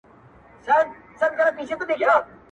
په دې ښار کي له پوړني د حیا قانون جاري وو،